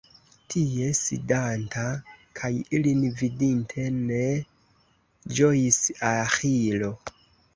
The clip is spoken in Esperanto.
Tie sidanta, kaj ilin vidinte ne ĝojis Aĥilo.